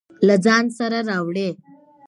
له ځان سره راوړئ.